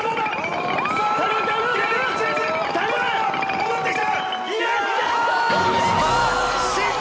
戻ってきた。